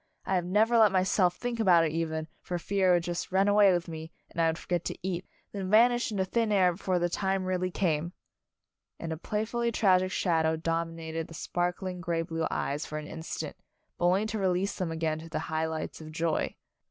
I have never let myself think about it even, for fear it would just run away with me, and I would forget to eat, then vanish into thin air before the time really camel" And a playfully tragic shadow dominated the sparkling gray blue eyes for an instant, but only to release them again to the high lights of joy.